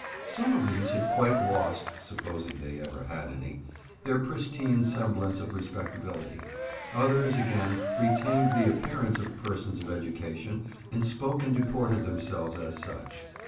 Some of these had quite lost (supposing they ever had any) their pristine semblance of respectability; others, again, retained the appearance of persons of education, and spoke and deported themselves as such.